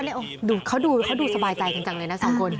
เขามเป็นดูเขาดูสบายใจกันเลยนะสองคน